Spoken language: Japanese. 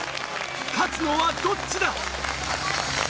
勝つのはどっちだ！？